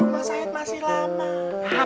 masahit masih lama